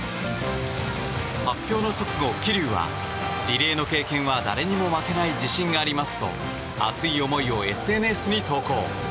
発表の直後、桐生はリレーの経験は誰にも負けない自信がありますと熱い思いをＳＮＳに投稿。